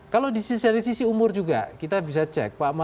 kalau dari sisi umur juga kita bisa cek